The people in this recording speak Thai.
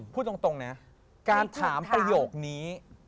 พูดตรงนะการถามประโยคนี้